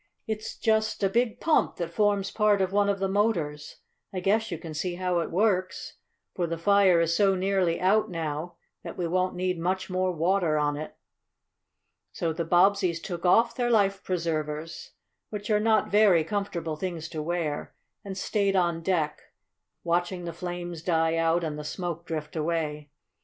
"It's just a big pump that forms part of one of the motors. I guess you can see how it works, for the fire is so nearly out now that we won't need much more water on it." So the Bobbseys took off their life preservers, which are not very comfortable things to wear, and stayed on deck, watching the flames die out and the smoke drift away.